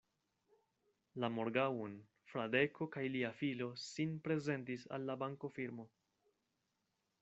La morgaŭon, Fradeko kaj lia filo sin prezentis al la bankofirmo.